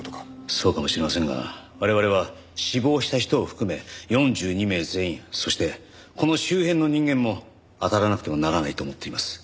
そうかもしれませんが我々は死亡した人を含め４２名全員そしてこの周辺の人間もあたらなくてはならないと思っています。